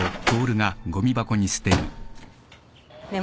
ねえ。